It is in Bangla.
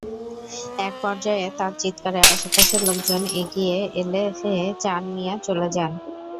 একপর্যায়ে তাঁর চিৎকারে আশপাশের লোকজন এগিয়ে এলে চান মিয়া চলে যান।